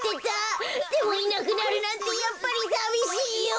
でもいなくなるなんてやっぱりさびしいよ！